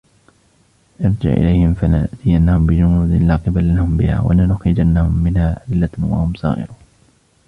ارْجِعْ إِلَيْهِمْ فَلَنَأْتِيَنَّهُمْ بِجُنُودٍ لَا قِبَلَ لَهُمْ بِهَا وَلَنُخْرِجَنَّهُمْ مِنْهَا أَذِلَّةً وَهُمْ صَاغِرُونَ